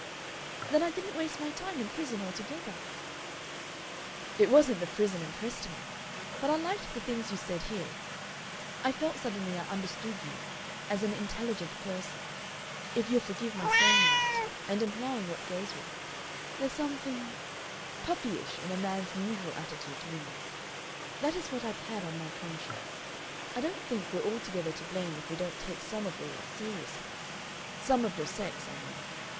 "Then I didn't waste my time in prison altogether?" "It wasn't the prison impressed me. But I liked the things you said here. I felt suddenly I understood you as an intelligent person. If you'll forgive my saying that, and implying what goes with it. There's something puppyish in a man's usual attitude to women. That is what I've had on my conscience.... I don't think we're altogether to blame if we don't take some of your lot seriously. Some of your sex, I mean.